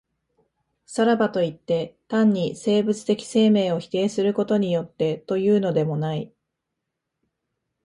さらばといって、単に生物的生命を否定することによってというのでもない。